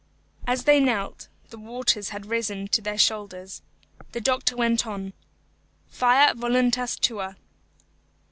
As they knelt, the waters had risen to their shoulders. The doctor went on, "Fiat voluntas tua."